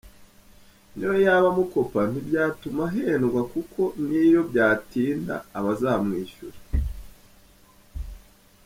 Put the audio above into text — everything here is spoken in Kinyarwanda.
N’iyo yaba amukopa ntibyatuma ahendwa kuko niyo byatinda aba azamwishyura”.